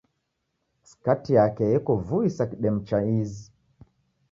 Skati yake yeko vui sa kidemu cha izi